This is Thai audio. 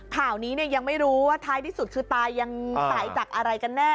ข่าวนี้เนี่ยยังไม่รู้ว่าท้ายที่สุดคือตายังตายจากอะไรกันแน่